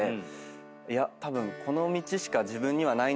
いやたぶん。